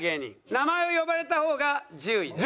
名前を呼ばれた方が１０位です。